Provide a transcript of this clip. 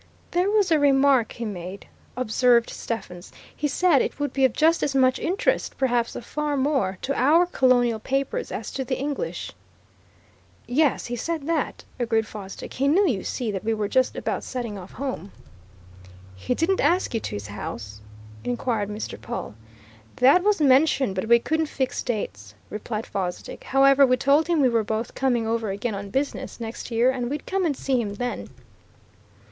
"There was a remark he made," observed Stephens. "He said it would be of just as much interest, perhaps of far more, to our Colonial papers as to the English." "Yes he said that," agreed Fosdick. "He knew, you see, that we were just about setting off home." "He didn't ask you to his house?" inquired Mr. Pawle. "That was mentioned, but we couldn't fix dates," replied Fosdick. "However, we told him we were both coming over again on business, next year, and we'd come and see him then."